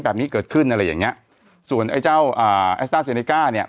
แบบนี้เกิดขึ้นอะไรอย่างเงี้ยส่วนไอ้เจ้าอ่าแอสต้าเซเนก้าเนี่ย